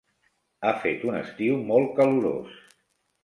Ha fet un estiu molt calorós.